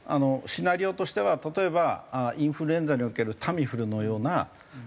シナリオとしては例えばインフルエンザにおけるタミフルのような非常に。